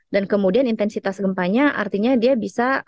kemudian intensitas gempanya artinya dia bisa